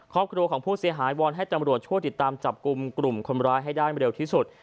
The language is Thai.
ครอบครัวของผู้เสียหายวอนให้ตำรวจช่วยติดตามจับกลุ่มกลุ่มคนร้ายให้ได้เร็วที่สุด